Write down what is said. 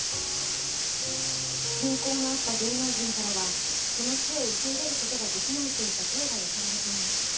親交のあった芸能人からは、その死を受け入れることができないといった声が寄せられています。